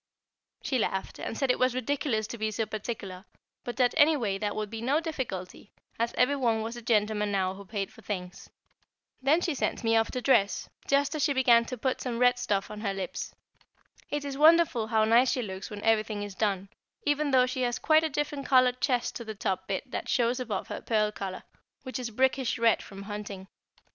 She laughed, and said it was ridiculous to be so particular, but that anyway that would be no difficulty, as every one was a gentleman now who paid for things. Then she sent me off to dress, just as she began to put some red stuff on her lips. It is wonderful how nice she looks when everything is done, even though she has quite a different coloured chest to the top bit that shows above her pearl collar, which is brickish red from hunting.